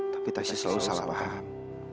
tapi tasya selalu salah paham